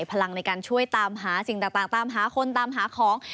พลังในการช่วยตามหาสิ่งต่างตามหาคนตามหาของ